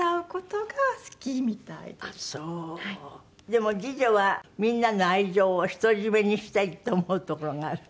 でも次女はみんなの愛情を独り占めにしたいって思うところがある？